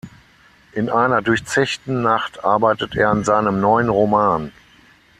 In einer durchzechten Nacht arbeitet er an seinem neuen Roman.